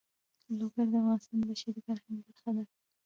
لوگر د افغانستان د بشري فرهنګ برخه ده.